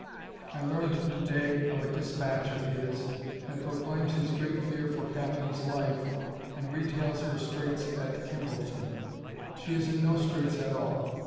I learned to day of a dispatch of his that proclaims his great fear for Catherine's life and retails her straits at Kimbolton. She is in no straits at all.